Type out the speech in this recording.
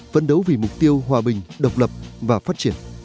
phấn đấu vì mục tiêu hòa bình độc lập và phát triển